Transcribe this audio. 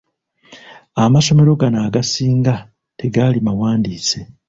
Amasomero gano agasinga tegaali mawandiise.